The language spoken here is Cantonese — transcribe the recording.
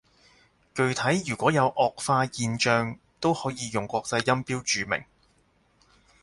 具體如果有顎化現象，都可以用國際音標注明